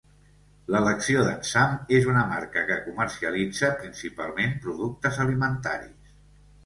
L'elecció d'en Sam és una marca que comercialitza principalment productes alimentaris.